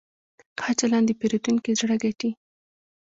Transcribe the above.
ښه چلند د پیرودونکي زړه ګټي.